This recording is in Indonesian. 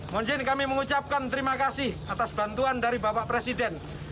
mohon izin kami mengucapkan terima kasih atas bantuan dari bapak presiden